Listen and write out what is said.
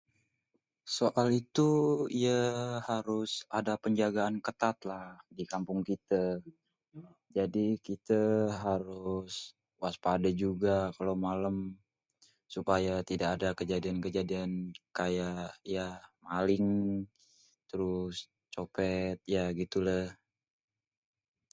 Soal itu ya harus ada pénjagaan kétat lah di kampung kitê. Jadi, kitê harus waspada juga kalo malém supaya tidak ada kejadian-kejadian kayak yah maling, trus copét ya gitu léh.